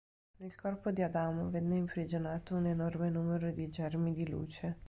Nel corpo di Adamo venne imprigionato un enorme numero di germi di luce.